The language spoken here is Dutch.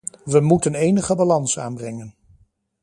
We moeten enige balans aanbrengen.